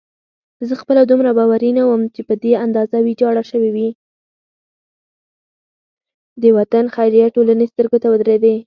د وطن خیریه ټولنې سترګو ته ودرېدې.